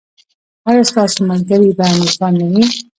ایا ستاسو ملګري به نیکان نه وي؟